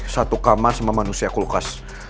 satu kamar sama manusia kulkas